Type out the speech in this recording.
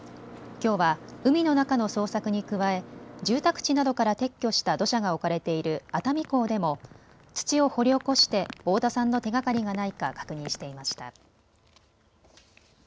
きょうは海の中の捜索に加え住宅地などから撤去した土砂が置かれている熱海港でも土を掘り起こして太田さんの手がかりがないか確認していました。